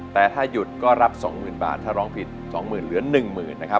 แต่ถ้ายุดก็รับสองหมื่นบาทถ้าร้องผิดสองหมื่นเหลือหนึ่งหมื่นนะครับ